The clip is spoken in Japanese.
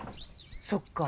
そっか。